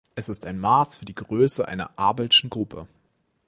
Er ist ein Maß für die Größe einer abelschen Gruppe.